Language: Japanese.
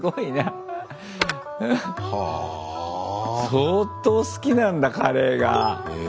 相当好きなんだカレーが。